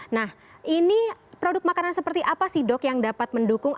nah ini produk makanan seperti apa sih dok yang dapat mendukung